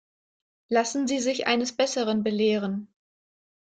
Lassen Sie sich eines Besseren belehren.